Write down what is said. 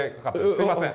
すいません。